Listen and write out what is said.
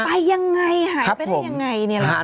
ไปยังไงหายไปได้ยังไงเนี่ยนะคะ